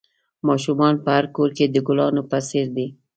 ماشومان په هر کور کې د گلانو په څېر دي.